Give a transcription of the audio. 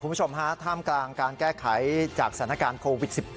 คุณผู้ชมฮะท่ามกลางการแก้ไขจากสถานการณ์โควิด๑๙